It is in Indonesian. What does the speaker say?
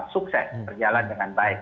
sukses berjalan dengan baik